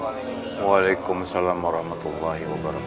waalaikumsalam warahmatullahi wabarakatuh